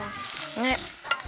ねっ。